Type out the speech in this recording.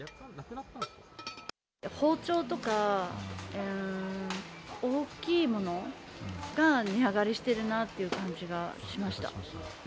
包丁とか、大きいものが値上がりしているなっていう感じがしました。